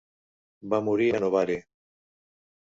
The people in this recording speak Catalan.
Va morir a Novare.